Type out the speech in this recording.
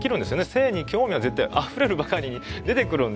性に興味が絶対あふれるばかりに出てくるんで。